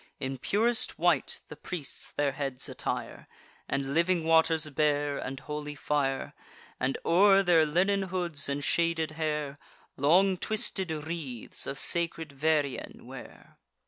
In purest white the priests their heads attire; And living waters bear, and holy fire; And, o'er their linen hoods and shaded hair, Long twisted wreaths of sacred vervain wear.